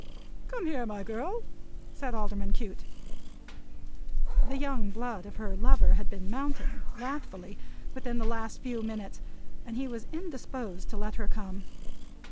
"Come here, my girl!" said Alderman Cute. The young blood of her lover had been mounting, wrathfully, within the last few minutes; and he was indisposed to let her come.